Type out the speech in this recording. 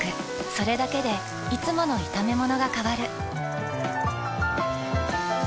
それだけでいつもの炒めものが変わる。